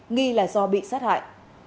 nghi là do bị sát hại